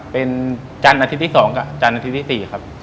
เป็นจันทร์อาทิตย์ที่๒กับจันทร์อาทิตย์ที่๔ครับ